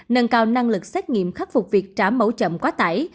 nâng cao năng lực xét nghiệm khắc phục việc trả mẫu chậm quá tải